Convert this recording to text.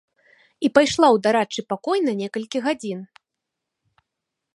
І пайшла ў дарадчы пакой на некалькі гадзін.